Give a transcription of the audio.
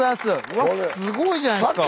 わっすごいじゃないすか！